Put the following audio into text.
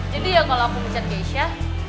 jadi ya kalau aku mecat keisha